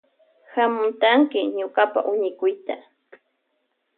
Hamutanki ñukapa huñikuyta.